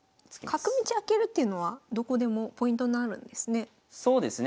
角道開けるっていうのはどこでもポイントになるんですね。